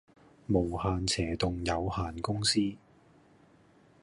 無限斜棟有限公司